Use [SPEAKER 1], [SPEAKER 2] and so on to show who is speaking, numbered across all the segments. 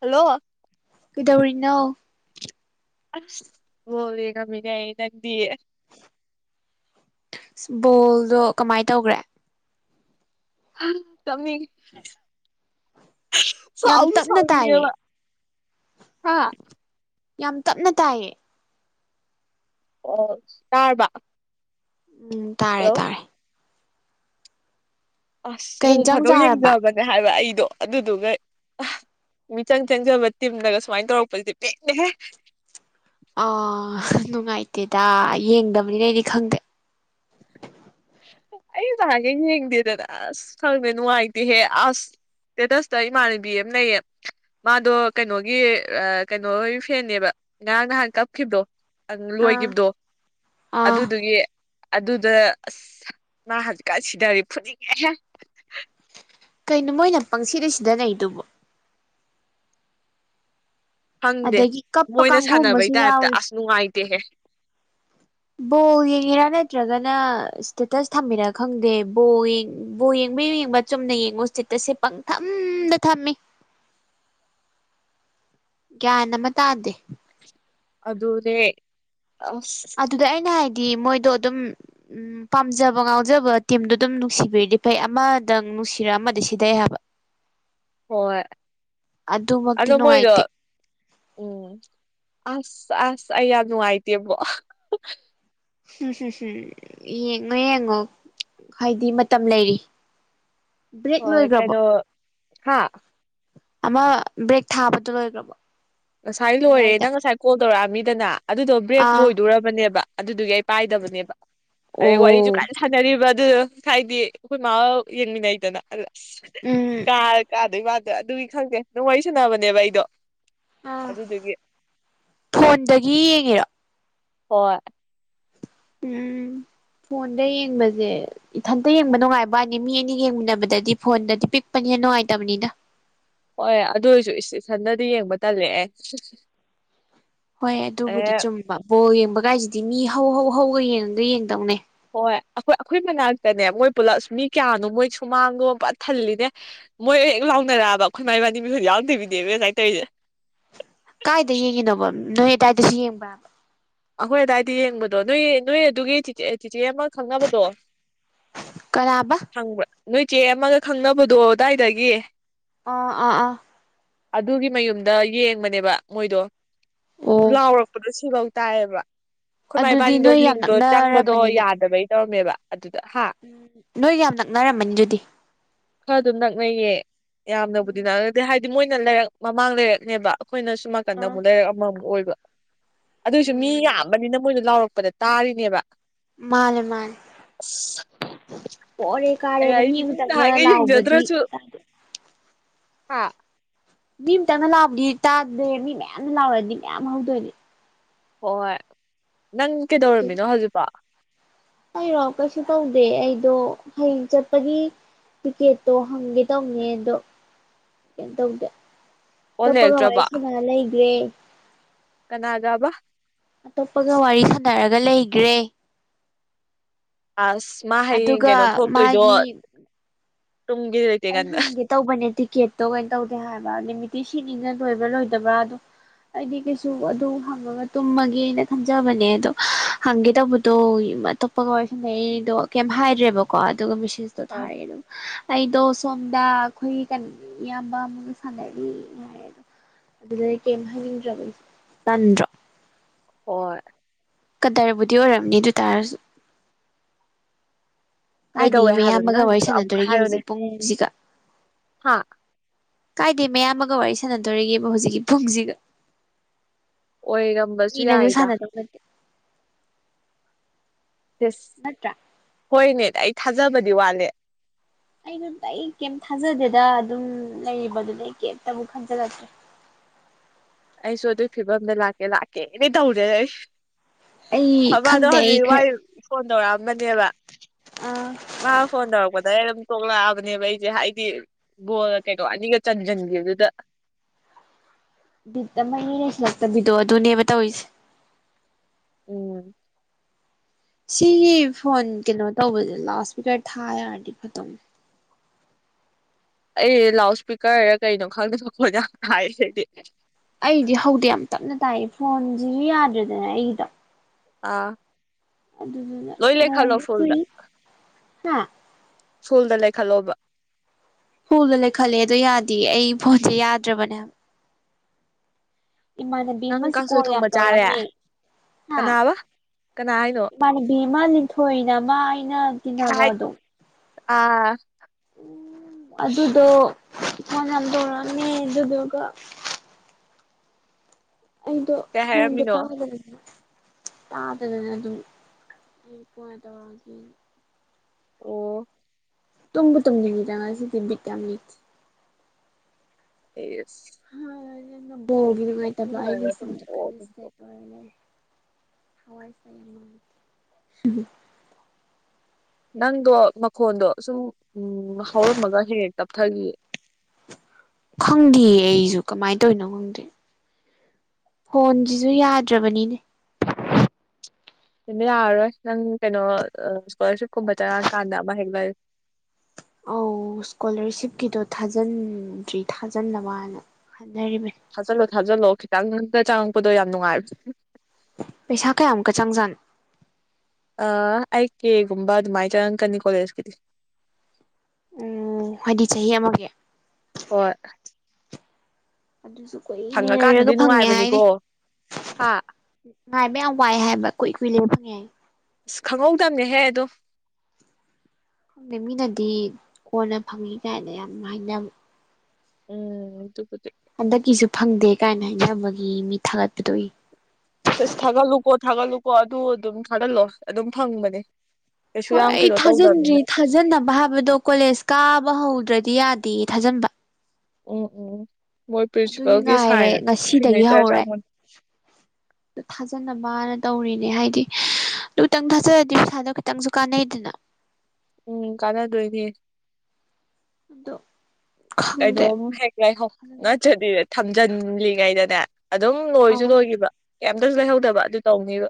[SPEAKER 1] hello
[SPEAKER 2] ꯀꯩꯗꯧꯔꯤꯅꯣ
[SPEAKER 1] ꯑꯁ ꯕꯥꯜ ꯌꯦꯒꯃꯤꯅꯦ ꯅꯗꯤ
[SPEAKER 2] ꯕꯣꯜꯗꯣ ꯀꯃꯥꯏꯅ ꯇꯧꯈ꯭ꯔꯦ
[SPEAKER 1] ꯀꯃꯤ
[SPEAKER 2] ꯌꯥꯝ
[SPEAKER 1] ꯁꯥꯎ
[SPEAKER 2] ꯇꯞꯅ
[SPEAKER 1] ꯁꯥꯎꯅꯤꯡ
[SPEAKER 2] ꯇꯥꯏꯌꯦ
[SPEAKER 1] ꯉꯦꯕ ꯍꯥꯥ
[SPEAKER 2] ꯌꯥꯝ ꯇꯞꯅ ꯇꯥꯏꯌꯦ
[SPEAKER 1] ꯑꯣ ꯇꯥꯔꯕ
[SPEAKER 2] ꯎꯝ
[SPEAKER 1] ꯍꯜꯂꯣ
[SPEAKER 2] ꯇꯥꯔꯦ ꯇꯥꯔꯦ
[SPEAKER 1] ꯑꯁ
[SPEAKER 2] ꯀꯩ
[SPEAKER 1] ꯅꯣꯡ
[SPEAKER 2] ꯏꯟꯖꯥꯡ
[SPEAKER 1] ꯐꯥꯗꯣꯛ
[SPEAKER 2] ꯆꯥꯔꯕ
[SPEAKER 1] ꯌꯦꯡꯖꯕꯅꯦ ꯍꯥꯏꯕ ꯑꯩꯗꯣ ꯑꯗꯨꯗꯨꯒ ꯑ ꯃꯤꯆꯪ ꯆꯪꯖꯕ ꯇꯤꯅꯒ ꯁꯨꯃꯥꯏꯅ ꯇꯧꯔꯛꯄꯁꯤꯗꯤ ꯄꯦꯟꯗꯦ
[SPEAKER 2] ꯑꯥ ꯅꯨꯡꯉꯥꯏꯇꯦꯗ ꯌꯦꯡꯗꯕꯅꯤꯅ ꯑꯩꯗꯤ ꯈꯪꯗꯦ
[SPEAKER 1] ꯑꯩ ꯇꯥꯒꯦ ꯌꯦꯡꯗꯦꯗꯅ ꯑꯁ ꯈꯪꯗꯦ ꯅꯨꯡꯉꯥꯏꯇꯦꯍꯦ ꯑꯁ ꯇꯗꯁꯇ ꯏꯃꯅꯕꯤꯌꯦ ꯂꯩꯌꯦ ꯃꯥꯗꯣ ꯀꯩꯅꯣꯒꯤ ꯀꯩꯅꯣ ꯐꯦꯅꯦꯕ ꯉꯍꯥꯡ ꯅꯍꯥꯟ ꯀꯞꯈꯤꯕꯗꯣ
[SPEAKER 2] ꯑꯥ
[SPEAKER 1] ꯂꯣꯏꯈꯤꯕꯗꯣ
[SPEAKER 2] ꯑꯥ
[SPEAKER 1] ꯑꯗꯨꯗꯨꯒꯤ ꯑꯗꯨꯗ ꯑꯁ ꯃꯥ ꯍꯧꯖꯤꯛꯀꯥꯟ ꯁꯤꯗꯔꯤ ꯐꯨꯗꯤꯒꯦꯍꯦꯛ
[SPEAKER 2] ꯀꯩꯅꯣ ꯃꯣꯏꯅ ꯄꯪꯁꯤꯗ ꯁꯤꯗꯅꯩ ꯗꯨꯕꯣ
[SPEAKER 1] ꯐꯪꯗꯦ
[SPEAKER 2] ꯑꯗꯒꯤ ꯀꯞꯄ
[SPEAKER 1] ꯃꯣꯏꯅ
[SPEAKER 2] ꯀꯥꯡꯕꯨ
[SPEAKER 1] ꯁꯥꯟꯅꯕꯩ
[SPEAKER 2] ꯑꯃꯁꯨ
[SPEAKER 1] ꯇꯥꯏꯞꯇ
[SPEAKER 2] ꯌꯥꯎꯔꯤ
[SPEAKER 1] ꯑꯁ ꯅꯨꯡꯉꯥꯏꯇꯦꯍꯦ
[SPEAKER 2] ꯕꯣꯜ ꯌꯦꯡꯉꯤꯔꯥ ꯅꯠꯇ꯭ꯔꯒꯅ ꯏꯁꯇꯦꯇꯁ ꯊꯝꯕꯤꯔ ꯈꯪꯗꯦ ꯕꯣ ꯕꯣꯜ ꯌꯦꯡꯕꯨ ꯌꯦꯡꯕ ꯆꯨꯝꯅ ꯌꯦꯡꯉꯨ ꯆꯤꯠꯇꯁꯦ ꯄꯪꯊꯝꯗ ꯊꯝꯃꯤ ꯒ꯭ꯌꯥꯟ ꯑꯃ ꯇꯥꯗꯦ
[SPEAKER 1] ꯑꯗꯨꯗꯅꯦꯦ ꯑ
[SPEAKER 2] ꯑꯗꯨꯗ ꯑꯩꯅ ꯍꯥꯏꯗꯤ ꯃꯣꯏꯗꯣ ꯑꯗꯨꯝ ꯎꯝ ꯄꯥꯝꯖꯕ ꯉꯥꯎꯖꯕ ꯇꯤꯝꯗꯨ ꯑꯗꯨꯝ ꯅꯨꯡꯁꯤꯕꯤꯔꯗꯤ ꯐꯩ ꯑꯃꯗꯪ ꯅꯨꯡꯁꯤꯔ ꯑꯃꯗꯤ ꯁꯤꯗꯩ ꯍꯥꯏꯕ [unintelligible]
[SPEAKER 1] ꯍꯣꯏ
[SPEAKER 2] ꯑꯗꯨꯃꯛꯇꯤ
[SPEAKER 1] ꯑꯗꯣ ꯃꯣꯏꯗꯣ
[SPEAKER 2] ꯅꯨꯡꯉꯥꯏꯇꯦ
[SPEAKER 1] ꯎꯝ ꯑꯁ ꯑꯁ ꯑꯩ ꯌꯥꯝ ꯅꯨꯡꯉꯥꯏꯇꯦꯕꯣ
[SPEAKER 2] ꯎꯝ ꯍꯝ ꯍꯝ ꯌꯦꯡꯉꯣ ꯌꯦꯡꯉꯣ ꯍꯥꯏꯗꯤ ꯃꯇꯝ ꯂꯩꯔꯤ ꯕ꯭ꯔꯦꯛ
[SPEAKER 1] ꯍꯣꯏ
[SPEAKER 2] ꯂꯣꯏꯒ꯭ꯔꯕꯣ
[SPEAKER 1] ꯀꯩꯅꯣ ꯍꯥꯥ
[SPEAKER 2] ꯑꯃ ꯕ꯭ꯔꯦꯛ ꯊꯥꯕꯗꯨꯣ ꯂꯣꯏꯈ꯭ꯔꯕꯣ
[SPEAKER 1] ꯉꯁꯥꯏ ꯂꯣꯏꯔꯦ ꯅꯪ ꯉꯁꯥꯏ ꯀꯣꯜ ꯇꯧꯔꯛꯑꯃꯤꯗꯅ ꯑꯗꯨꯗꯣ ꯕ꯭ꯔꯦꯛ
[SPEAKER 2] ꯑꯥ
[SPEAKER 1] ꯂꯣꯏꯗꯣꯔꯕꯅꯦꯕ ꯑꯗꯨꯗꯨꯒꯤ ꯑꯩ ꯄꯥꯏꯗꯕꯅꯦꯕ ꯑꯗꯩ ꯋꯥꯔꯤꯁꯨ
[SPEAKER 2] ꯑꯣ
[SPEAKER 1] ꯀꯥꯟ ꯁꯥꯟꯅꯔꯤꯕ ꯑꯗꯨ ꯍꯥꯏꯗꯤ ꯑꯩꯈꯣꯏ ꯃꯥ ꯌꯦꯡꯃꯤꯟꯅꯩꯗꯅꯁ
[SPEAKER 2] ꯎꯝ
[SPEAKER 1] ꯀꯥꯗꯣꯏ ꯋꯥꯗꯣ ꯑꯗꯨꯒꯤ ꯈꯪꯗꯦ ꯅꯨꯡꯉꯩ ꯁꯨꯅꯕꯅꯦꯕ ꯑꯩꯗꯣ
[SPEAKER 2] ꯑꯥ
[SPEAKER 1] ꯑꯗꯨꯗꯨꯒꯤ
[SPEAKER 2] ꯐꯣꯟꯗꯒꯤ ꯌꯦꯡꯉꯦꯔ
[SPEAKER 1] ꯍ
[SPEAKER 2] ꯎꯝ ꯐꯣꯟꯗ ꯌꯦꯡꯕꯁꯦ ꯏꯊꯟꯇ ꯌꯦꯡꯕ ꯅꯨꯡꯉꯥꯏꯕꯅꯤ ꯃꯤ ꯑꯅꯤ ꯌꯦꯡꯃꯤꯟꯅꯕꯗꯗꯤ ꯐꯣꯟꯗꯗꯤ ꯄꯤꯛꯄꯅꯤꯅ ꯅꯨꯡꯉꯥꯏꯇꯕꯅꯤꯅ
[SPEAKER 1] ꯍꯣꯏ ꯑꯗꯨ ꯑꯣꯏꯔꯁꯨ ꯏꯁꯇꯦꯁꯟꯗꯗꯤ ꯌꯦꯡꯕ ꯇꯜꯂꯛꯑꯦ
[SPEAKER 2] ꯍꯣꯏ ꯑꯗꯨꯕꯨꯗꯤ
[SPEAKER 1] ꯑꯦ
[SPEAKER 2] ꯆꯨꯝꯕ ꯕꯣꯜ ꯌꯦꯡꯕ ꯀꯥꯏꯁꯤꯗꯤ ꯃꯤ ꯍꯧ ꯍꯧ ꯍꯧꯒ ꯌꯦꯡꯉꯗ ꯌꯦꯡꯗꯧꯅꯦ
[SPEAKER 1] ꯍꯣꯏ ꯑꯩꯈꯣꯏ ꯑꯩꯈꯣꯏ ꯃꯅꯥꯛꯇꯅꯦ ꯃꯣꯏ ꯄꯨꯂꯞ ꯃꯤ ꯀꯌꯥꯅꯣ ꯃꯣꯏ ꯁꯨꯃꯥꯡꯗꯣ ꯄꯨ ꯊꯜꯂꯤꯅꯦ ꯃꯣꯏ ꯍꯦꯛ ꯂꯥꯎꯅꯔꯛꯑꯕ ꯑꯩꯈꯣꯏ ꯃꯥꯏꯕꯥꯅꯤ ꯃꯤꯈ ꯌꯥꯎꯗꯣꯏꯕꯤꯅꯦꯕ ꯉꯥꯏ ꯇꯧꯔꯤꯁꯦ
[SPEAKER 2] ꯀꯥꯏꯏꯗ ꯌꯦꯡꯉꯤꯅꯣꯕ ꯅꯣꯏ ꯑꯗꯥꯏꯗꯁꯨ ꯌꯦꯡꯕ꯭ꯔꯥ
[SPEAKER 1] ꯑꯩꯈꯣꯏ ꯑꯗꯥꯋꯥꯏꯗ ꯌꯦꯡꯕꯗꯣ ꯅꯣꯏ ꯅꯣꯏ ꯑꯗꯨꯒꯤ ꯇꯤꯆꯦ ꯑꯃ ꯈꯪꯅꯕꯗꯣ
[SPEAKER 2] ꯀꯔꯥꯕ
[SPEAKER 1] ꯈꯪꯕ꯭ꯔꯥ ꯅꯣꯏ ꯆꯦ ꯑꯃꯒ ꯈꯪꯅꯕꯗꯣ ꯑꯗꯨꯗꯥꯏꯗꯒꯤ
[SPEAKER 2] ꯑꯥ ꯑꯥ ꯑꯥ
[SPEAKER 1] ꯑꯗꯨꯒꯤ ꯃꯌꯨꯝꯗ ꯌꯦꯡꯕꯅꯦꯕ ꯃꯣꯏꯗꯣ
[SPEAKER 2] ꯑꯣ
[SPEAKER 1] ꯂꯥꯎꯔꯛꯄꯗꯣ ꯁꯤ ꯇꯥꯏꯌꯦꯕ ꯑꯩꯈꯣꯏꯃꯥ
[SPEAKER 2] ꯑꯗꯨꯗꯤ
[SPEAKER 1] ꯏꯄꯥꯁꯤꯡꯗꯣ
[SPEAKER 2] ꯅꯣꯏ ꯌꯥꯝ
[SPEAKER 1] ꯍꯤꯡꯗꯣ ꯆꯪꯕꯗꯣ
[SPEAKER 2] ꯅꯛꯅꯔꯝꯃꯅꯤꯅꯦ
[SPEAKER 1] ꯌꯥꯗꯕꯩ ꯇꯧꯔꯝꯃꯦꯕ ꯑꯗꯨꯗ ꯍꯥ
[SPEAKER 2] ꯎꯝ ꯅꯣꯏ ꯌꯥꯝ ꯅꯛꯅꯔꯝꯃꯅꯤ ꯑꯗꯨꯗꯤ
[SPEAKER 1] ꯈꯔ ꯑꯗꯨꯝ ꯅꯛꯅꯩꯌꯦ ꯌꯥꯝꯅꯕꯨꯗꯤ ꯅꯛꯅꯗꯦ ꯍꯥꯏꯗꯤ ꯃꯣꯏꯅ ꯂꯩꯔꯛ ꯃꯃꯥꯡ ꯂꯩꯔꯛꯅꯦꯕ ꯑꯩꯈꯣꯏꯅ ꯀꯗ
[SPEAKER 2] ꯑꯥ
[SPEAKER 1] ꯑꯃꯨꯛ ꯂꯩꯔꯛ ꯑꯃꯃꯨꯛ ꯑꯣꯏꯕ ꯑꯗꯨꯑꯣꯏꯁꯨ ꯃꯤ
[SPEAKER 2] ꯎꯝ
[SPEAKER 1] ꯌꯥꯝꯕꯅꯤꯅ ꯃꯣꯏꯗꯣ ꯂꯥꯎꯔꯛꯄꯗ ꯇꯥꯔꯤꯅꯦꯕ
[SPEAKER 2] ꯃꯥꯅꯦ ꯃꯥꯅꯦ
[SPEAKER 1] ꯑꯁ
[SPEAKER 2] ꯄꯣꯔꯦ
[SPEAKER 1] ꯑꯩ
[SPEAKER 2] ꯀꯥꯔꯦꯅ ꯃꯤ
[SPEAKER 1] ꯍꯥꯏꯁꯤꯅꯤ
[SPEAKER 2] ꯑꯃꯇꯪꯅ
[SPEAKER 1] ꯅꯍꯥꯟꯒꯩ
[SPEAKER 2] ꯂꯥꯎꯕꯗꯤ
[SPEAKER 1] ꯌꯦꯡꯖꯗ꯭ꯔꯁꯨ ꯍꯥ
[SPEAKER 2] ꯃꯤ ꯑꯃꯇꯪꯅ ꯂꯥꯎꯕꯗꯤ ꯇꯥꯗꯦ ꯃꯤ ꯃꯌꯥꯝꯅ ꯂꯥꯎꯔꯗꯤ ꯃꯌꯥꯝ ꯍꯧꯗꯣꯏꯅꯦ
[SPEAKER 1] ꯍꯣꯏ ꯅꯪ ꯀꯩꯗꯧꯔꯝꯃꯤꯅꯣ ꯍꯧꯖꯤꯛꯐꯥꯎ
[SPEAKER 2] ꯍꯥꯏꯔꯣ ꯀꯩꯁꯨ ꯇꯧꯗꯦ ꯑꯩꯗꯣ ꯍꯩꯡ ꯆꯠꯄꯒꯤ ꯇꯤꯀꯦꯠꯇꯣ ꯍꯪꯒꯦ ꯇꯧꯅꯦ ꯑꯗꯣ ꯀꯩꯅꯣ ꯇꯧꯗꯦ
[SPEAKER 1] ꯑꯣꯜ
[SPEAKER 2] ꯇꯄꯒ
[SPEAKER 1] ꯂꯩꯔꯛꯇ꯭ꯔꯕꯣ
[SPEAKER 2] ꯃꯩꯁꯤ ꯅ ꯏꯒꯦ
[SPEAKER 1] ꯀꯅꯥꯒꯕ
[SPEAKER 2] ꯑꯇꯣꯞꯄꯒ ꯋꯥꯔꯤ ꯁꯥꯟꯅꯔꯒ ꯂꯩꯈ꯭ꯔꯦ
[SPEAKER 1] ꯑꯁ ꯃꯥ ꯍꯌꯦꯡ
[SPEAKER 2] ꯑꯗꯨꯒ
[SPEAKER 1] ꯀꯩꯅꯣ ꯊꯣꯛꯇꯣꯏꯗꯣ
[SPEAKER 2] ꯃꯥꯒꯤ
[SPEAKER 1] ꯇꯨꯡꯒꯤ
[SPEAKER 2] ꯑꯩ ꯍꯪꯒꯦ ꯇꯧꯕꯅꯦ ꯇꯤꯛꯀꯦꯠꯇꯣ ꯀꯩꯅꯣ ꯇꯧꯗꯦ ꯍꯥꯏꯕ ꯅꯨꯃꯤꯠꯇꯤ ꯁꯤꯅꯤꯅ ꯂꯣꯏꯕ꯭ꯔꯥ ꯂꯣꯏꯗꯕ꯭ꯔꯥ ꯑꯗꯣ ꯑꯩꯗꯤ ꯀꯩꯁꯨ ꯑꯗꯨ ꯍꯪꯉꯒ ꯇꯨꯝꯃꯒꯦꯅ ꯈꯟꯖꯕꯅꯦ ꯑꯗꯣ ꯍꯪꯒꯦ ꯇꯧꯕꯗꯣ ꯑꯇꯣꯞꯄꯒ ꯑꯣꯏꯔꯁꯤꯅ ꯑꯩꯗꯣ ꯀꯩꯝ ꯍꯥꯏꯗ꯭ꯔꯦꯕꯀꯣ ꯑꯗꯨꯒ ꯃꯤꯦꯁꯦꯁꯇꯣ
[SPEAKER 1] ꯑ
[SPEAKER 2] ꯊꯥꯔꯛꯑꯦ ꯑꯗꯨꯝ ꯑꯩꯗꯣ ꯁꯣꯝꯗ ꯑꯩꯈꯣꯏ ꯀ ꯏꯌꯥꯝꯕ ꯑꯃꯨꯛꯅ ꯁꯥꯟꯅꯔꯤ ꯍꯥꯏ ꯑꯗꯣ ꯑꯗꯨꯗꯒꯤ ꯀꯩꯝ ꯍꯥꯏꯅꯤꯡꯗ꯭ꯔꯕꯅꯤ ꯇꯟꯗ꯭ꯔꯣ
[SPEAKER 1] ꯍꯣꯏ
[SPEAKER 2] ꯀꯗꯔꯕꯨꯗꯤ ꯑꯣꯏꯔꯝꯅꯤ ꯑꯗꯨ ꯇꯥꯔꯁꯨ
[SPEAKER 1] ꯀꯩꯗꯧꯋꯦ
[SPEAKER 2] ꯀꯥꯏꯗꯩꯩ
[SPEAKER 1] ꯍꯥꯏꯕꯅꯣ
[SPEAKER 2] ꯃꯌꯥꯝꯕꯒ ꯋꯥꯔꯤ
[SPEAKER 1] ꯍꯧꯖꯤꯛꯀꯤꯗꯣ ꯑꯃꯨꯛꯀ
[SPEAKER 2] ꯁꯥꯟꯅꯗꯣꯔꯤꯒꯦ
[SPEAKER 1] ꯍꯥꯏꯔꯣꯅꯦ
[SPEAKER 2] ꯍꯧꯖꯤꯛ ꯄꯨꯡꯁꯤꯒ
[SPEAKER 1] ꯍꯥ
[SPEAKER 2] ꯀꯥꯏꯗꯩꯩ ꯃꯌꯥꯝꯕꯥꯒ ꯋꯥꯔꯤ ꯁꯥꯟꯅꯗꯣꯔꯤꯒꯦꯕ ꯍꯧꯖꯤꯛꯀꯤ ꯄꯨꯡꯁꯤꯒ
[SPEAKER 1] ꯑꯣꯏꯔꯝꯕꯁꯨ
[SPEAKER 2] ꯀꯨꯏꯅꯁꯨ
[SPEAKER 1] ꯌꯥꯏꯗ
[SPEAKER 2] [unintelligible]
[SPEAKER 1] ꯌꯦꯁ
[SPEAKER 2] ꯅꯠꯇ꯭ꯔ
[SPEAKER 1] ꯍꯣꯏꯅꯦ ꯑꯩ ꯊꯥꯖꯕꯗꯤ ꯋꯥꯠꯂꯦ
[SPEAKER 2] ꯑꯩꯅ ꯑꯩ ꯀꯩꯝꯇ ꯊꯥꯖꯗꯦꯗ ꯑꯗꯨꯝ ꯂꯩꯔꯤꯕꯗꯨꯅꯦ ꯑꯩ ꯀꯩꯝꯇꯕꯨꯨꯛ ꯈꯟꯖꯜꯂꯛꯇꯦ
[SPEAKER 1] ꯑꯩꯁꯨ ꯑꯗꯨꯒꯤ ꯐꯤꯕꯝꯗ ꯂꯥꯛꯀꯦ ꯂꯥꯛꯀꯦꯅꯗꯤ ꯇꯧꯔꯦ
[SPEAKER 2] ꯑꯩ
[SPEAKER 1] ꯑꯃꯥꯗꯣ
[SPEAKER 2] ꯈꯪꯗꯦ ꯑꯩ
[SPEAKER 1] ꯍꯧꯖꯤꯛ ꯋꯥꯏ
[SPEAKER 2] ꯈꯔ
[SPEAKER 1] ꯐꯣꯟ ꯇꯧꯔꯛꯑꯝꯕꯅꯦꯕ
[SPEAKER 2] ꯑꯥ
[SPEAKER 1] ꯃꯥ ꯐꯣꯟ ꯇꯧꯔꯛꯄꯗ ꯑꯩ ꯑꯗꯨꯝ ꯇꯣꯛꯂꯛꯑꯕꯅꯦꯕ ꯑꯩꯁꯦ ꯍꯥꯏꯗꯤ ꯕꯣꯜ ꯀꯩꯅꯣ ꯑꯅꯤꯒ ꯆꯟꯁꯤꯟꯈꯤꯕꯗꯨꯗ
[SPEAKER 2] ꯕꯤꯠ ꯑꯃ ꯏꯂꯩ ꯂꯩꯁꯤꯜꯂꯛꯇꯕꯤꯗꯣ ꯑꯗꯨꯅꯦꯕ ꯇꯧꯔꯤꯁꯦ
[SPEAKER 1] ꯎꯝ
[SPEAKER 2] ꯁꯤꯒꯤ ꯐꯣꯟ ꯀꯩꯅꯣ ꯇꯧꯕꯁꯦ ꯂꯥꯎꯠ ꯏꯁꯄꯤꯀꯔ ꯊꯥ ꯌꯥꯔꯗꯤ ꯐꯗꯧꯅꯦ
[SPEAKER 1] ꯑꯩꯗꯤ ꯂꯥꯎꯠ ꯏꯁꯄꯤꯀꯔꯔꯥ ꯀꯩꯅꯣ ꯈꯪꯗꯦ ꯃꯈꯣꯟ ꯌꯥꯝ ꯇꯥꯏꯌꯦꯁꯤꯗꯤ
[SPEAKER 2] ꯑꯩꯗꯤ ꯍꯧꯗꯦ ꯌꯥꯝ ꯇꯞꯅ ꯇꯥꯏꯌꯦ ꯐꯣꯟꯁꯤꯁꯨ ꯌꯥꯗ꯭ꯔꯦꯗꯅ ꯑꯩꯒꯤꯗꯣ
[SPEAKER 1] ꯑꯥ
[SPEAKER 2] ꯑꯗꯨꯗꯨꯅ
[SPEAKER 1] ꯂꯣꯏ ꯂꯩꯈꯠꯂꯣ
[SPEAKER 2] ꯅꯣꯡꯁꯨ
[SPEAKER 1] ꯐꯨꯜꯗ
[SPEAKER 2] ꯆꯨꯏ ꯍꯥ
[SPEAKER 1] ꯐꯨꯜꯗ ꯂꯩꯈꯠꯂꯣꯕ
[SPEAKER 2] ꯐꯨꯜꯗ ꯂꯩꯈꯠꯂꯦꯗꯣ ꯌꯥꯗꯌꯦ ꯑꯩ ꯐꯣꯜꯁꯦ ꯌꯥꯗ꯭ꯔꯕꯅꯦ ꯏꯃꯥꯟꯅꯕꯤ
[SPEAKER 1] ꯅꯪ
[SPEAKER 2] ꯑꯃꯁꯨ
[SPEAKER 1] ꯀꯥꯡꯁꯣꯏ
[SPEAKER 2] ꯀꯣꯜ ꯌꯥꯝ
[SPEAKER 1] ꯊꯣꯡꯕ ꯆꯥꯔꯦ
[SPEAKER 2] ꯇꯧꯔꯛꯑꯝꯃꯦ ꯍꯥ
[SPEAKER 1] ꯀꯥꯅ ꯍꯥꯏꯅꯣ
[SPEAKER 2] ꯏꯃꯥꯟꯅꯕꯤ ꯃꯥ ꯂꯤꯟꯊꯣꯏꯅ ꯃꯥ ꯑꯩꯅ ꯇꯤꯟꯅꯕ
[SPEAKER 1] ꯍꯥꯏꯠ
[SPEAKER 2] ꯗꯣ
[SPEAKER 1] ꯑꯥ
[SPEAKER 2] ꯑꯗꯨꯗꯣ ꯐꯣꯟ ꯌꯥꯝ ꯇꯧꯔꯛꯑꯃꯦ ꯑꯗꯨꯗꯨꯒ ꯑꯩꯗꯣ
[SPEAKER 1] ꯀꯩ
[SPEAKER 2] ꯍꯣꯡꯕ
[SPEAKER 1] ꯍꯥꯏꯔꯝꯃꯤꯅꯣ
[SPEAKER 2] ꯇꯒꯅꯤ [unintelligible]
[SPEAKER 1] ꯑꯣ
[SPEAKER 2] ꯇꯨꯝꯕ ꯇꯨꯝꯅꯤꯡꯉꯗ ꯉꯁꯤꯗꯤ ꯕꯤꯇꯥꯃꯤꯠꯁꯦ
[SPEAKER 1] ꯌꯦꯁ ꯂꯣꯏꯔꯒ
[SPEAKER 2] ꯍꯅꯅꯨꯡꯉꯥꯏꯇꯕꯥꯏꯅꯁꯤꯗ
[SPEAKER 1] ꯇꯨꯝꯊꯣꯛꯑꯣ
[SPEAKER 2] ꯀꯅꯤꯁꯣ
[SPEAKER 1] ꯇꯨꯝꯊꯣꯛꯑꯣ
[SPEAKER 2] ꯍꯋꯥꯏ ꯁ
[SPEAKER 1] ꯅꯪꯗꯣ ꯃꯈꯣꯟꯗꯣ ꯁꯨꯝ ꯎ ꯍꯧꯔꯝꯃꯒ ꯍꯦꯛ ꯍꯦꯛ ꯇꯞꯊꯈꯤꯌꯦ
[SPEAKER 2] ꯈꯪꯗꯦꯌꯦ ꯑꯩꯁꯨ ꯀꯃꯥꯏꯅ ꯇꯧꯔꯤꯅꯣ ꯈꯪꯗꯦ ꯐꯣꯟꯁꯤꯁꯨ ꯌꯥꯗ꯭ꯔꯕꯅꯤꯅꯦ
[SPEAKER 1] ꯑꯗꯨ ꯌꯥꯔꯔꯣꯏ ꯅꯪ ꯀꯩꯅꯣ ꯏꯁꯀꯣꯂꯔꯁꯤꯞꯀꯨꯝꯕ ꯆꯪꯔꯥꯟ ꯀꯥꯟꯗ ꯑꯃ ꯍꯦꯛ ꯂ
[SPEAKER 2] ꯑꯧ ꯁꯀꯣꯂꯥꯔꯁꯤꯞꯀꯤꯗꯣ ꯊꯥꯖꯟꯗ꯭ꯔꯤ ꯊꯥꯖꯜꯅꯥꯕꯅ ꯈꯟꯅꯔꯤꯕ
[SPEAKER 1] ꯊꯥꯖꯤꯜꯂꯣ ꯊꯥꯖꯤꯜꯂꯣ ꯈꯤꯇꯪꯗ ꯆꯪꯉꯛꯄꯗꯣ ꯌꯥꯝ ꯅꯨꯡꯉꯥꯏꯕꯅꯤ
[SPEAKER 2] ꯄꯩꯁꯥ ꯀꯌꯥꯃꯨꯛꯀ ꯆꯪꯖꯥ
[SPEAKER 1] ꯑ ꯑꯩ ꯀꯦꯒꯨꯝꯕ ꯑꯗꯨꯃꯥꯏꯅ ꯆꯪꯉꯛꯀꯅꯤ ꯀꯣꯂꯦꯖꯀꯤꯗꯤ
[SPEAKER 2] ꯎꯝ ꯍꯥꯏꯗꯤ ꯆꯍꯤ ꯑꯃꯒꯤ
[SPEAKER 1] ꯍꯣꯏ
[SPEAKER 2] ꯑꯗꯨꯁꯨ ꯀꯨꯏꯅ ꯂꯩꯔꯒ
[SPEAKER 1] ꯐꯪꯉꯀꯥꯟꯗꯗꯤ
[SPEAKER 2] ꯐꯪꯉꯦ ꯍꯥꯏꯅꯦ
[SPEAKER 1] ꯅꯨꯡꯉꯥꯏꯕꯅꯤꯀꯣ ꯍꯥ
[SPEAKER 2] ꯉꯥꯏꯕꯥ ꯌꯥꯝ ꯋꯥꯏ ꯍꯥꯏꯕ ꯀꯨꯏ ꯀꯨꯏ ꯂꯩꯔꯥ ꯐꯪꯉꯦ
[SPEAKER 1] ꯑꯁ ꯈꯪꯍꯧꯗꯕꯅꯦꯍꯦ ꯑꯗꯣ
[SPEAKER 2] ꯈꯪꯗ‌ꯦ ꯃꯤꯅꯗꯤ ꯀꯣꯟꯅ ꯐꯪꯉꯤ ꯀꯥꯏꯅ ꯌꯥꯝ ꯍꯥꯏꯅꯝ
[SPEAKER 1] ꯎꯝ ꯗꯨꯕꯨꯗꯤ
[SPEAKER 2] ꯍꯟꯗꯛꯀꯤꯁꯨ ꯐꯪꯗꯦ ꯀꯥꯏꯅ ꯍꯥꯏꯅꯕꯒꯤ ꯃꯤ ꯊꯥꯒꯠꯄꯗꯨ ꯎꯏ
[SPEAKER 1] ꯑꯁ ꯑꯁ ꯊꯥꯒꯠꯂꯨꯀꯣ ꯊꯥꯒꯠꯂꯨꯀꯣ ꯑꯗꯨ ꯑꯗꯨꯝ ꯊꯥꯒꯠꯂꯣ ꯑꯗꯨꯝ ꯐꯪꯕꯅꯦ ꯀꯩꯁꯨ
[SPEAKER 2] ꯍꯣꯏ
[SPEAKER 1] ꯌꯥꯝ
[SPEAKER 2] ꯑꯩ
[SPEAKER 1] ꯀꯩꯅꯣ
[SPEAKER 2] ꯊꯥꯖꯤꯟꯗ꯭ꯔꯤ
[SPEAKER 1] ꯇꯧꯗꯕꯅꯤꯅ
[SPEAKER 2] ꯊꯥꯖꯟꯅꯕ ꯍꯥꯏꯕꯗꯣ ꯀꯣꯂꯦꯖ ꯀꯥꯕ ꯍꯧꯗ꯭ꯔꯗꯤ ꯌꯥꯗꯦꯌ‌ꯦ ꯊꯥꯖꯟꯕ
[SPEAKER 1] ꯎꯝ ꯎꯝ ꯃꯣꯏ
[SPEAKER 2] ꯑꯗꯨꯒꯤ
[SPEAKER 1] ꯄ꯭ꯔꯤꯟꯁꯤꯄꯥꯜꯒꯤ ꯁꯥꯏꯟ ꯁꯤꯒꯅꯦꯆꯔ ꯆꯪꯕꯟ
[SPEAKER 2] ꯊꯥꯖꯅꯕꯅ ꯇꯧꯔꯤꯅꯦ ꯍꯥꯏꯗꯤ ꯑꯗꯨꯇꯪ ꯊꯥꯖꯜꯂꯗꯤ ꯄꯩꯁꯥꯗꯣ ꯈꯤꯇꯪꯁꯨ ꯀꯥꯟꯅꯩꯗꯅ
[SPEAKER 1] ꯎꯝ ꯀꯥꯟꯅꯗ‌ꯣꯏꯅ‌ꯦ
[SPEAKER 2] ꯑꯗꯣ ꯈꯪꯗꯦ
[SPEAKER 1] ꯀꯩꯅꯣꯝ ꯍꯥꯏꯒ꯭ꯔ‌ꯦ [inaudible] ꯅꯠꯇ꯭ꯔꯗꯤ ꯊꯝꯖꯜꯂꯤꯉꯩꯗꯅꯦ ꯑꯗꯨꯝ ꯂꯣꯏꯁꯨ
[SPEAKER 2] ꯑꯥ
[SPEAKER 1] ꯂꯣꯏꯈꯤꯕ ꯀꯩꯝꯇꯁꯨ ꯂꯩꯍꯧꯗꯕ ꯑꯗꯨ ꯇꯧꯅꯤꯕ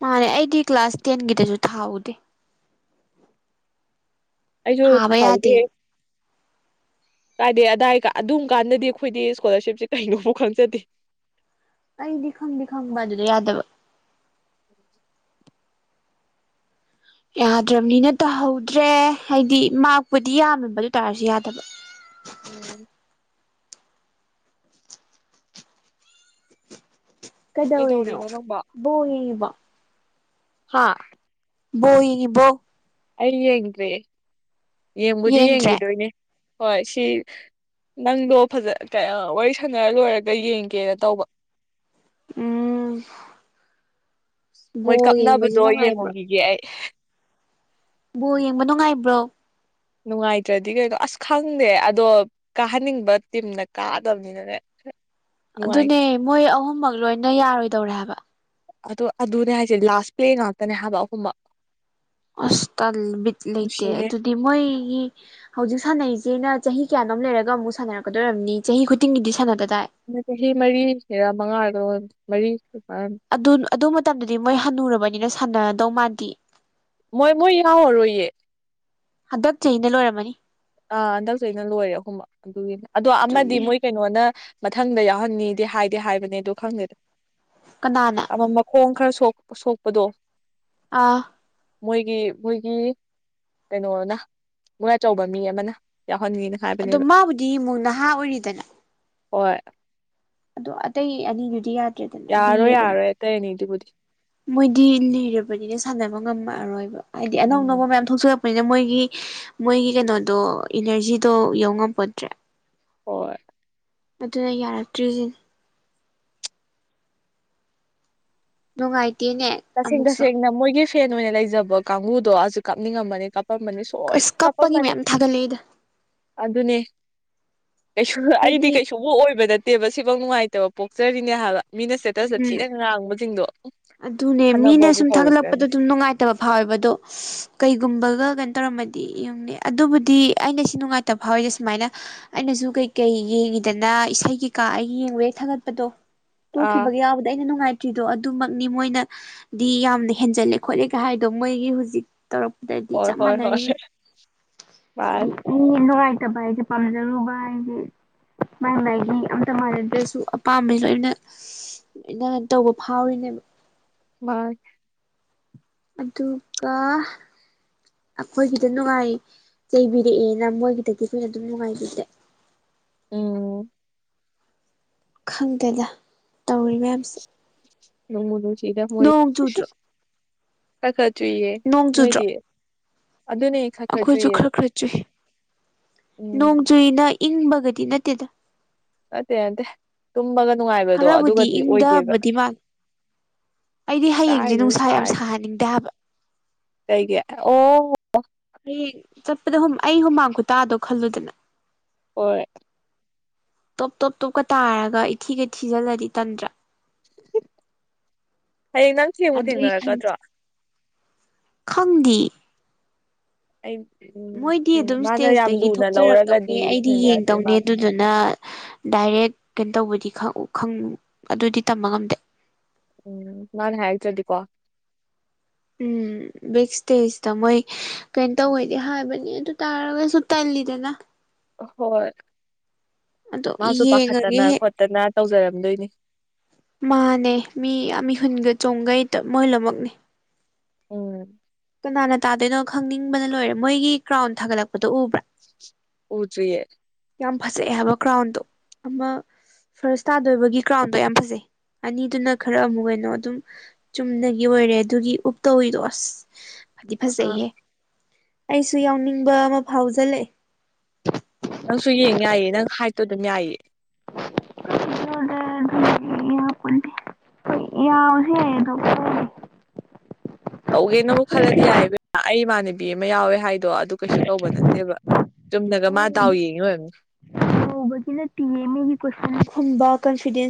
[SPEAKER 2] ꯃꯥꯅꯦ ꯑꯩꯗꯤ ꯀ꯭ꯂꯥꯁ ꯇꯦꯟꯒꯤꯗꯁꯨ ꯊꯥꯍꯧꯗꯦ
[SPEAKER 1] ꯑꯩꯁꯨ
[SPEAKER 2] ꯊꯥꯕ
[SPEAKER 1] ꯊꯥꯍꯧꯗꯦꯍ‌ꯦ
[SPEAKER 2] ꯌꯥꯗꯦꯅ
[SPEAKER 1] ꯀꯥꯏꯗꯩ ꯑꯗꯥꯏ ꯑꯗꯨꯝꯀꯥꯟꯗꯗꯤ ꯑꯩꯈꯣꯏꯗꯤ ꯏꯁꯀꯣꯂꯥꯔꯁꯤꯞꯁꯦ ꯀꯩꯅꯣꯐꯥꯎ ꯈꯪꯖꯗꯦ
[SPEAKER 2] ꯑꯩꯗꯤ ꯈꯪꯗꯤ ꯈꯪꯕ ꯑꯗꯨꯗ ꯌꯥꯗꯕ ꯌꯥꯗ꯭ꯔꯝꯅꯤꯅ ꯇꯧꯍꯧꯗ꯭ꯔꯦ ꯍꯥꯏꯗꯤ ꯃꯥꯛꯔꯄꯨꯗꯤ ꯌꯥꯝꯃꯕ ꯑꯗꯨꯏ ꯇꯥꯔꯁꯨ ꯌꯥꯗꯕ
[SPEAKER 1] ꯑꯣ
[SPEAKER 2] ꯀꯩꯗꯧꯔꯤꯅꯣ ꯕꯣꯜ ꯌꯦꯡꯉꯤꯕ‌ꯣ
[SPEAKER 1] ꯍꯥ
[SPEAKER 2] ꯕ‌ꯣꯜ ꯌ‌ꯦꯡꯉꯤꯕ‌ꯣ
[SPEAKER 1] ꯑꯩ ꯌꯦꯡꯗ꯭ꯔ‌ꯦ ꯌꯦꯡꯕꯨꯗꯤ
[SPEAKER 2] ꯌꯦꯡꯗ꯭ꯔꯦ
[SPEAKER 1] ꯌꯦꯡꯈꯤꯗꯣꯏꯅꯦ ꯍꯣꯏ ꯁꯤ ꯅꯪꯗꯣ ꯐꯖ ꯀꯩ ꯋꯥꯔꯤ ꯁꯥꯟꯅ ꯂꯣꯏꯔꯒ ꯌꯦꯡꯒꯦꯅ ꯇꯧꯕ
[SPEAKER 2] ꯎꯝ
[SPEAKER 1] ꯃꯣꯏ
[SPEAKER 2] ꯕꯣꯜ ꯌꯦꯡꯕꯁꯦ
[SPEAKER 1] ꯀꯞꯅꯕꯗꯣ
[SPEAKER 2] ꯅꯨꯡꯉꯥꯏꯕ꯭ꯔ‌ꯣ
[SPEAKER 1] [unintelligible]
[SPEAKER 2] ꯕꯣꯜ ꯌꯦꯡꯕ ꯅꯨꯡꯉꯥꯏꯕ꯭ꯔꯣ
[SPEAKER 1] ꯅꯨꯡꯉꯥꯏꯇ꯭ꯔꯗꯤ ꯀꯩꯅꯣ ꯑꯁ ꯈꯪꯗꯦ ꯑꯗꯣ ꯀꯥꯍꯟꯅꯤꯡꯕ ꯇꯤꯝꯅ ꯀꯥꯗꯕꯅꯤꯅꯅꯦ
[SPEAKER 2] ꯑꯗꯨꯅꯦ
[SPEAKER 1] ꯅꯨꯡꯉꯥꯏꯇꯦ
[SPEAKER 2] ꯃꯣꯏ ꯑꯍꯨꯝꯃꯛ ꯂꯣꯏꯅ ꯌꯥꯔꯣꯏꯗꯧꯔꯦ ꯍꯥꯏꯕ
[SPEAKER 1] ꯑꯗꯣ ꯑꯗꯨꯅꯦ ꯍꯥꯏꯁꯦ ꯂꯥꯁ ꯄ꯭ꯂꯦ ꯉꯥꯛꯇꯅꯦ ꯍꯥꯏꯕ ꯑꯍꯨꯝꯃꯛ
[SPEAKER 2] ꯑꯁ ꯇꯜ ꯕꯤꯠ ꯂꯩꯇꯦ
[SPEAKER 1] ꯅꯨꯡꯁꯤꯍꯦ
[SPEAKER 2] ꯑꯗꯨꯗꯤ ꯃꯣꯏꯒꯤ ꯍꯧꯖꯤꯛ ꯁꯥꯟꯅꯩꯖꯤꯅ ꯆꯍꯤ ꯀꯌꯥꯅꯣꯝ ꯂꯩꯔꯒ ꯑꯃꯨꯛ ꯁꯥꯟꯅꯔꯛꯀꯗꯣꯏ ꯑꯣꯏꯔꯝꯅꯤ ꯆꯍꯤ ꯈꯨꯗꯤꯡꯒꯤꯗꯤ ꯁꯥꯟꯅꯗꯗꯥꯏ
[SPEAKER 1] ꯆꯍꯤ ꯃꯔꯤꯁꯤꯔꯥ ꯃꯉꯥꯔꯥ ꯀꯩꯅ‌ꯣꯝ ꯑꯣꯏꯕꯅ‌ꯦ ꯃꯔꯤ [unintelligible]
[SPEAKER 2] ꯑꯗꯨ ꯑꯗꯨ ꯃꯇꯝꯗꯨꯗꯤ ꯃꯣꯏ ꯍꯟꯅꯨꯔꯕꯅꯤꯅ ꯁꯥꯟꯅꯗꯧ ꯃꯥꯥꯟꯗꯤ
[SPEAKER 1] ꯃꯣꯏ ꯃꯣꯏ ꯌꯥꯎꯔꯔꯣꯏꯌꯦ
[SPEAKER 2] ꯍꯟꯗꯛ ꯆꯍꯤꯅ ꯂꯣꯏꯔꯝꯃꯅꯤ
[SPEAKER 1] ꯑꯥ ꯍꯟꯗꯛ ꯆꯍꯤꯅ ꯂꯣꯏꯔꯦ ꯑꯍꯨꯝꯃꯛ ꯑꯗꯨꯒꯤꯅꯦ ꯑꯗꯣ ꯑꯃꯗꯤ
[SPEAKER 2] ꯑꯗꯨꯅꯦ
[SPEAKER 1] ꯃꯣꯏ ꯀꯩꯅꯣꯅ ꯃꯊꯪꯗ ꯌꯥꯎꯍꯟꯅꯤꯗꯤ ꯍꯥꯏꯗꯤ ꯍꯥꯏꯕꯅꯦ ꯑꯗ‌ꯣ ꯈꯪꯗꯦꯗ
[SPEAKER 2] ꯀꯅꯥꯅ
[SPEAKER 1] ꯑꯃ ꯃꯈꯣꯡ ꯈꯔ ꯁ‌ꯣꯛꯄ ꯁꯣꯛꯄꯗꯣ
[SPEAKER 2] ꯑꯥ
[SPEAKER 1] ꯃꯣꯏꯒꯤ ꯃꯣꯏꯒꯤ ꯀꯩꯅꯣꯅ ꯃ‌ꯣꯏ ꯑꯆꯧꯕ ꯃꯤ ꯑꯃꯅ ꯌꯥꯎꯍꯟꯅꯤꯅ
[SPEAKER 2] ꯑꯗꯣ
[SPEAKER 1] ꯍꯥꯏꯕꯅꯦꯕ
[SPEAKER 2] ꯃꯥꯕꯨꯗꯤ ꯑꯃꯨꯛ ꯅꯍꯥ ꯑꯣꯏꯔꯤꯗꯅ
[SPEAKER 1] ꯍꯣꯏ
[SPEAKER 2] ꯑꯗꯣ ꯑꯇꯩ ꯑꯅꯤꯗꯨꯗꯤ ꯌꯥꯗ
[SPEAKER 1] ꯌꯥꯔꯔ‌ꯣꯏ ꯌꯥꯔꯔꯣꯏ ꯑꯇꯩ ꯑꯅꯤꯗꯨ
[SPEAKER 2] ꯃꯣꯏꯗꯤ ꯂꯤꯔꯕꯅꯤꯅ ꯁꯥꯟꯅꯕ ꯉꯝꯃꯛꯑꯔꯣꯏꯕ ꯍꯥꯏꯗꯤ ꯑꯅꯧ
[SPEAKER 1] ꯎꯝ
[SPEAKER 2] ꯑꯅꯧꯕ ꯃꯌꯥꯝ ꯊꯣꯛꯆꯜ ꯂꯛꯄꯅꯤꯅ ꯃꯣꯏꯒꯤ ꯃꯣꯏꯒꯤ ꯀꯩꯅꯣꯗꯣ ꯏꯅꯔꯖꯤꯗꯣ ꯌꯧꯉꯝꯄꯣꯠꯇ꯭ꯔꯦ
[SPEAKER 1] ꯍꯣꯏ
[SPEAKER 2] ꯑꯗꯨꯅ ꯌꯥꯔꯛꯇ꯭ꯔꯤꯁꯤꯅꯤ ꯅꯨꯡꯉꯥꯏꯇꯦꯅꯦ
[SPEAKER 1] ꯇꯁꯦꯡ
[SPEAKER 2] ꯑꯃꯨꯛꯁꯨ
[SPEAKER 1] ꯇꯁꯦꯡꯅ ꯃꯣꯏꯒꯤ ꯐꯦꯟ ꯑꯣꯏꯅ ꯂꯩꯖꯕ ꯀꯥꯡꯕꯨꯨꯗꯣꯁꯨ ꯀꯥꯞꯅꯤꯡꯉꯝꯃꯅꯤ ꯀꯥꯞꯄꯝꯃꯅꯤ ꯂꯣꯢ
[SPEAKER 2] ꯑꯁ ꯀꯞꯄꯒꯤ
[SPEAKER 1] ꯀꯥꯞꯄꯝꯃꯥꯅꯤ
[SPEAKER 2] ꯃꯌꯥꯝ ꯊꯥꯒꯠꯂꯛꯏꯗ
[SPEAKER 1] ꯑꯗꯨꯅꯦ ꯀꯩꯁꯨ ꯑꯩꯗꯤ
[SPEAKER 2] ꯑꯩꯈꯣꯏꯗꯤ
[SPEAKER 1] ꯀꯩꯁꯨꯕꯨ ꯑꯣꯏꯕ ꯅꯠꯇꯦ ꯇꯦꯕ ꯁꯤꯐꯥꯎ ꯅꯨꯡꯉꯥꯏꯇꯕ ꯄꯣꯛꯆꯔꯤꯅꯦ ꯍꯥꯏꯕ ꯃꯤꯅ ꯁꯇꯦꯇꯁꯇ
[SPEAKER 2] ꯎꯝ
[SPEAKER 1] ꯊꯤꯅ ꯉꯥꯡꯕꯁꯤꯡꯗꯣ
[SPEAKER 2] ꯑꯗꯨꯅꯦ ꯃꯤꯅ
[SPEAKER 1] ꯈꯟꯅꯕꯕꯨ
[SPEAKER 2] ꯁꯨꯝ ꯊꯥꯒꯠꯂꯛꯄꯗ
[SPEAKER 1] ꯍꯧꯔꯁꯤꯔꯅꯦ
[SPEAKER 2] ꯑꯗꯨꯝ ꯅꯨꯡꯉꯥꯏꯇ ꯇꯕ ꯐꯥꯎꯋꯦꯕ ꯑꯗꯣ ꯀꯩꯒꯨꯝꯕꯒ ꯀꯩꯅꯣ ꯇꯧꯔꯝꯃꯗꯤ ꯌꯨꯝꯅꯦ ꯑꯗꯨꯕꯨꯗꯤ ꯑꯩꯅ ꯁꯤ ꯅꯨꯡꯉꯥꯏ ꯇꯕ ꯐꯥꯎꯔꯤ ꯁꯨꯃꯥꯏꯅ ꯑꯩꯅꯁꯨ ꯀꯩꯀꯩ ꯌꯦꯡꯉꯤꯗꯅ ꯏꯁꯩ ꯀꯩꯀꯥ ꯑꯩ ꯌꯦꯡꯕꯩ ꯊꯥꯒꯠꯄꯗꯣ
[SPEAKER 1] ꯑꯥ
[SPEAKER 2] ꯇꯣꯛꯈꯤꯕꯒꯤ ꯌꯥꯎꯕꯗ ꯑꯩꯅ ꯅꯨꯡꯉꯥꯏꯇ꯭ꯔꯤꯗꯣ ꯑꯗꯨ ꯅꯤ ꯃꯣꯏꯅꯗꯤ ꯌꯥꯝꯅ ꯍꯦꯟꯖꯜꯂꯦ ꯈꯣꯠꯂꯦꯒ ꯍꯥꯏꯗꯣ ꯃꯣꯏꯒꯤ ꯍꯧꯖꯤꯛ ꯇꯧꯔꯛꯄꯗꯗꯤ
[SPEAKER 1] ꯍꯣꯏ
[SPEAKER 2] ꯆꯞ
[SPEAKER 1] ꯍꯣꯏ ꯍꯣꯏ
[SPEAKER 2] ꯃꯥꯟꯅꯔꯤ ꯑꯦ
[SPEAKER 1] ꯃꯥꯅꯤ
[SPEAKER 2] ꯅꯨꯡꯉꯥꯏꯇꯕ ꯍꯥꯢꯁꯦ ꯄꯥꯝꯖꯔꯨꯕ ꯍꯥꯢꯁꯦ ꯃꯥꯏ ꯃꯥꯏꯒꯤ ꯑꯝꯇ ꯃꯥꯥꯟꯅꯗ꯭ꯔꯁꯨ ꯑꯄꯥꯝꯕ ꯂꯣꯏꯅ ꯅ ꯇꯧꯕ ꯐꯥꯎꯔꯤꯅꯦꯕ
[SPEAKER 1] ꯃꯥꯅꯦ
[SPEAKER 2] ꯑꯗꯨꯒ ꯑꯩꯈꯣꯏꯒꯤꯗ ꯅꯨꯡꯉꯥꯏ ꯆꯩꯕꯤꯔꯛꯑꯦꯅ ꯃꯣꯏꯒꯤꯗꯗꯤ ꯑꯩꯈꯣꯏꯅ ꯑꯗꯨꯝ ꯅꯨꯡꯉꯥꯏꯕꯤꯗꯦ
[SPEAKER 1] ꯎꯝ
[SPEAKER 2] ꯈꯪꯗꯦꯗ ꯇꯧꯔꯤ ꯃꯌꯥꯝꯁꯦ
[SPEAKER 1] ꯅꯦꯡꯕꯨ ꯅꯨꯡꯁꯤꯗ ꯃꯣꯏ
[SPEAKER 2] ꯅꯣꯡ ꯆꯨꯗ꯭ꯔꯣ
[SPEAKER 1] ꯈꯥ ꯈꯥ ꯆꯨꯏꯌꯦ
[SPEAKER 2] ꯅꯣꯡ ꯆꯨꯗ꯭ꯔꯣ
[SPEAKER 1] ꯅꯣꯏꯗꯤ ꯑꯗꯨꯅꯦ ꯈꯔ
[SPEAKER 2] ꯑꯩꯈꯣꯏꯁꯨ
[SPEAKER 1] ꯆꯨꯏꯌꯦꯕ
[SPEAKER 2] ꯈꯔ ꯈꯔ ꯆꯨꯏ ꯅꯣꯡ
[SPEAKER 1] ꯎꯝ
[SPEAKER 2] ꯆꯨꯏꯅ ꯏꯪꯕꯒꯗꯤ ꯅꯠꯇꯦꯗ
[SPEAKER 1] ꯅꯠꯇꯦ ꯅꯠꯇꯦ ꯇꯨꯝꯕꯒ ꯅꯨꯡꯉꯥꯏꯕꯗꯣ
[SPEAKER 2] ꯈꯔꯕꯨꯗꯤ
[SPEAKER 1] ꯑꯗꯨꯒꯗꯤ ꯑꯣꯏꯗꯦꯕ
[SPEAKER 2] ꯏꯪꯗꯕꯗꯤ ꯃꯥꯜꯂꯦ ꯑꯩꯗꯤ ꯍꯌꯦꯡꯁꯦ
[SPEAKER 1] ꯀꯥꯏꯗꯩꯅꯣ
[SPEAKER 2] ꯅꯨꯡꯁꯥ ꯌꯥꯝ
[SPEAKER 1] ꯁꯥꯏ
[SPEAKER 2] ꯁꯥꯍꯟꯅꯤꯡꯗꯦ ꯍꯥꯏꯕ
[SPEAKER 1] ꯀꯩꯒꯤ ꯑꯣ
[SPEAKER 2] ꯍꯌꯦꯡ ꯆꯠꯄꯗ ꯑꯩ ꯍꯨꯃꯥꯡ ꯈꯨꯇꯥꯗꯣ ꯈꯜꯂꯨꯗꯅ
[SPEAKER 1] ꯍꯣꯏ
[SPEAKER 2] ꯇꯣꯞ ꯇꯣꯞ ꯇꯣꯞꯀ ꯇꯥꯔꯒ ꯏꯊꯤꯒꯩ ꯊꯤꯖꯤꯜꯂꯗꯤ ꯇꯟꯗ꯭ꯔꯥ
[SPEAKER 1] ꯍꯌꯦꯡ ꯅꯪ ꯊꯦꯡꯕꯨ
[SPEAKER 2] ꯑꯗꯨꯏ
[SPEAKER 1] ꯊꯦꯡꯅꯔꯛꯀꯗ꯭ꯔꯣ
[SPEAKER 2] ꯈꯪꯗꯦ
[SPEAKER 1] ꯑꯩ ꯎꯝ
[SPEAKER 2] ꯃꯣꯏꯗꯤ ꯑꯗꯨꯝ
[SPEAKER 1] ꯃꯥꯅ ꯌꯥꯝ
[SPEAKER 2] ꯏꯁꯇꯦꯖꯇꯒꯤ
[SPEAKER 1] ꯂꯨꯅ
[SPEAKER 2] ꯊꯣꯛꯆꯔꯛꯇꯧꯅꯦ
[SPEAKER 1] ꯂꯧꯔꯒꯗꯤ
[SPEAKER 2] ꯑꯩꯗꯤ
[SPEAKER 1] ꯊꯦꯡꯅꯔꯗꯣꯏ
[SPEAKER 2] ꯌꯦꯡꯗꯧꯅꯦ
[SPEAKER 1] ꯃꯥ
[SPEAKER 2] ꯑꯗꯨ ꯑꯗꯨꯅ ꯗꯥꯏꯔꯦꯛ ꯀꯩꯅꯣ ꯇꯧꯕꯗꯤ ꯑꯗꯨꯗꯤ ꯇꯝꯕ ꯉꯝꯗꯦ
[SPEAKER 1] ꯎꯝ ꯃꯅꯥ ꯍꯥꯢꯔꯛꯇ꯭ꯔꯗꯤꯀꯣ
[SPEAKER 2] ꯎꯝ ꯕꯦꯛ ꯏꯁꯇꯦꯖꯇ ꯃꯣꯏ ꯀꯩꯅꯣ ꯇꯧꯋꯦꯗꯤ ꯍꯥꯏꯕꯅꯤ ꯑꯗꯨ ꯇꯥꯔꯒꯁꯨ ꯇꯜꯂꯤꯗꯅ [unintelligible]
[SPEAKER 1] ꯍꯣꯏ
[SPEAKER 2] ꯑꯗꯣ
[SPEAKER 1] ꯃꯥꯁꯨ
[SPEAKER 2] ꯌꯦꯡꯉꯒꯦ
[SPEAKER 1] ꯄꯥꯈꯠꯇꯅ
[SPEAKER 2] ꯍꯦꯛ
[SPEAKER 1] ꯈꯣꯠꯇꯅ ꯇꯧꯖꯔꯝꯗꯣꯏꯅꯤ
[SPEAKER 2] ꯃꯥꯅꯦ ꯃꯤ ꯃꯤꯍꯨꯟꯒ ꯆꯣꯡꯒꯩ ꯃꯣꯏ ꯂꯣꯢꯅꯃꯛꯅꯦ
[SPEAKER 1] ꯎꯝ
[SPEAKER 2] ꯀꯅꯥꯅ ꯇꯥꯗꯣꯏꯅꯣ ꯈꯪꯅꯤꯡꯕꯅ ꯂꯣꯏꯔꯦ ꯃꯣꯏꯒꯤ ꯀ꯭ꯔꯥꯎꯟ ꯊꯥꯒꯠꯂꯛꯄꯗꯣ ꯎꯕ꯭ꯔꯥ
[SPEAKER 1] ꯎꯗ꯭ꯔꯤꯌꯦ
[SPEAKER 2] ꯌꯥꯝ ꯐꯖꯩꯑꯦ ꯍꯥꯏꯕ ꯀ꯭ꯔꯥꯎꯟꯗꯣ ꯑꯃ ꯐꯥꯔꯁ ꯇꯥꯗꯣꯏꯕꯒꯤ ꯀ꯭ꯔꯥꯎꯟꯗꯣ ꯌꯥꯝ ꯐꯖꯩ ꯑꯅꯤꯗꯨꯅ ꯈꯔ ꯑꯃꯨꯛ ꯀꯩꯅꯣ ꯑꯗꯨꯝ ꯆꯨꯝꯅꯒꯤ ꯑꯣꯏꯔꯦ ꯑꯗꯨꯒꯤ ꯎꯞ ꯇꯧꯔꯤꯗꯣ ꯑꯁ ꯐꯗꯤ
[SPEAKER 1] ꯑꯥ
[SPEAKER 2] ꯐꯖꯩꯍꯦ ꯑꯩꯁꯨ ꯌꯥꯎꯅꯤꯡꯕ ꯑꯃ ꯐꯥꯎꯖꯤꯜꯂꯛꯌꯦ
[SPEAKER 1] ꯅꯪꯁꯨ ꯌꯦꯡ ꯌꯥꯏꯌꯦ ꯅꯪ ꯍꯥꯏꯠꯇꯣ ꯑꯗꯨꯝ ꯌꯥꯏꯌꯦ
[SPEAKER 2] ꯗ [inaudible] ꯌꯥꯕꯁꯨ ꯌꯥꯢ ꯑꯗꯣ
[SPEAKER 1] ꯇꯧꯒꯦꯅꯕꯨ ꯈꯜꯂꯗꯤ ꯌꯥꯏ ꯢꯕꯦꯝꯃ ꯑꯩ ꯏꯃꯥꯟꯅꯕꯤ ꯑꯃ ꯌꯥꯎꯋꯦ ꯍꯥꯏ ꯑꯗꯣ ꯑꯗꯨ ꯀꯩꯁꯨ ꯇꯧꯕ ꯅꯠꯇꯦꯕ ꯆꯨꯝꯅꯒ ꯃꯥ ꯗꯥꯎ ꯌꯦꯡꯉꯤ ꯑꯣꯏꯔꯃꯅꯤ
[SPEAKER 2] ꯍꯧꯕꯒꯤ ꯅꯠꯇꯤ ꯃꯤꯒꯤ ꯄꯩꯁ ꯈꯨꯝꯕ ꯀꯟꯐꯤꯗꯦꯟꯁ